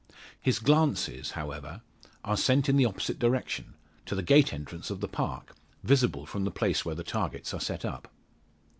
His glances, however, are sent in the opposite direction to the gate entrance of the park, visible from the place where the targets are set up.